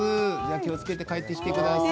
気をつけて帰ってきてください。